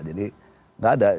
jadi tidak ada